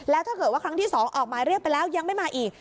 แล้วถ้าเกิดว่าครั้งที่๒ออกหมายเรียกไปแล้วยังไม่มาอีก